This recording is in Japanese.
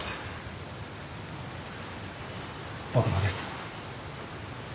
僕もです。